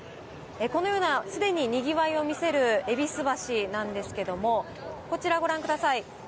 このようなにぎわいを見せる戎橋なんですけれども、こちらご覧ください。